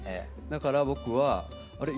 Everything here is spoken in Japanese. だから僕はあれ？